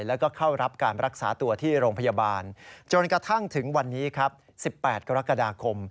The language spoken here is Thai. แล้วก็เข้ารับการรักษาตัวที่โรงพยาบาลจนกระทั่งถึงวันนี้ครับ๑๘กรกฎาคม